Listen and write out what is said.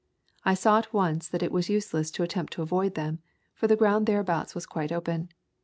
I saw at once that it was useless to attempt to avoid them, for the ground thereabout was quite open.